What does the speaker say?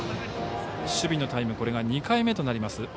守備のタイム２回目となります。